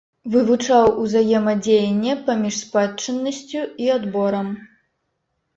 Вывучаў узаемадзеянне паміж спадчыннасцю і адборам.